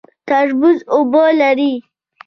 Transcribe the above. تربوز اوبه لري